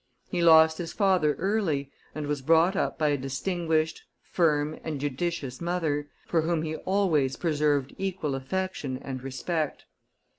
He lost his father early, and was brought up by a distinguished, firm, and judicious mother, for whom he always preserved equal affection and respect.